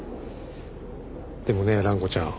でもね蘭子ちゃん。